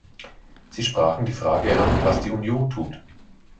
Sie sprachen die Frage an, was die Union tut.